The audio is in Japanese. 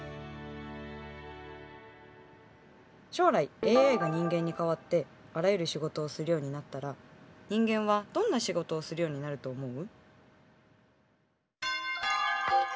将来ＡＩが人間に代わってあらゆる仕事をするようになったら人間はどんな仕事をするようになると思う？